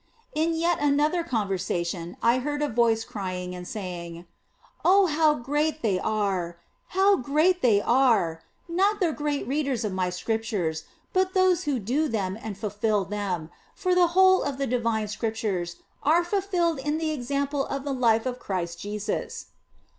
In yet another conversation I heard a voice crying and saying, " Oh, how great are they ! How great are they ! Not the great readers of My Scriptures, but those who do them and fulfil them ; for the whole of the divine Scriptures are fulfilled in the example of the Life of Christ Jesus."